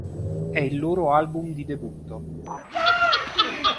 È il loro album di debutto.